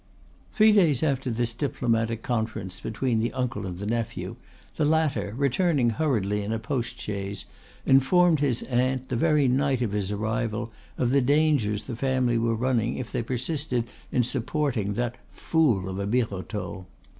Three days after this diplomatic conference between the uncle and nephew, the latter, returning hurriedly in a post chaise, informed his aunt, the very night of his arrival, of the dangers the family were running if they persisted in supporting that "fool of a Birotteau."